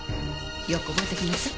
よく覚えておきなさい。